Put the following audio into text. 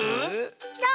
そう！